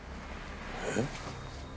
えっ？